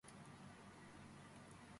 მდებარეობს არაბიკის კირქვულ მასივზე.